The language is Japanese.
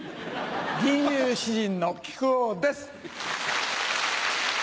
吟遊詩人の木久扇です！